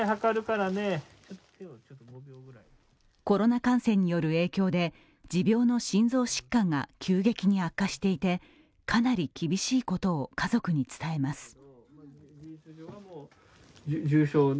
コロナ感染による影響で持病の心臓疾患が急激に悪化していてかなり厳しいことを家族に伝えます。